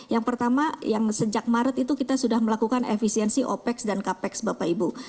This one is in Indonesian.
yang pertama yang sejak maret itu kita sudah melakukan efisiensi opex dan capex bapak ibu